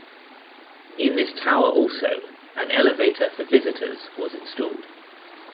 In this tower also an elevator for visitors was installed.